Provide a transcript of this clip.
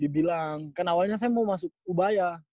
dibilang kan awalnya saya mau masuk ubaya